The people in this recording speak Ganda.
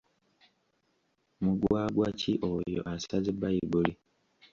Mugwagwa ki oyo asaze Baibuli?